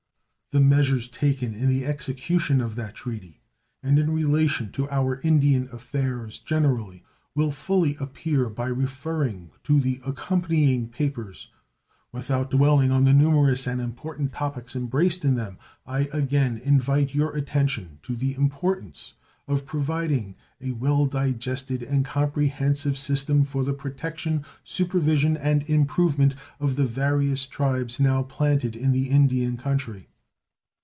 The measures taken in the execution of that treaty and in relation to our Indian affairs generally will fully appear by referring to the accompanying papers. Without dwelling on the numerous and important topics embraced in them, I again invite your attention to the importance of providing a well digested and comprehensive system for the protection, supervision, and improvement of the various tribes now planted in the Indian country.